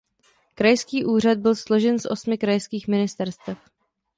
Krajský úřad byl složen z osmi krajských ministerstev.